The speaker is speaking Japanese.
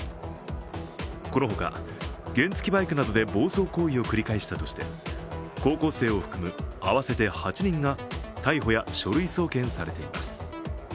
このほか、原付バイクなどで暴走行為を繰り返したとして高校生を含む合わせて８人が、逮捕や書類送検されています。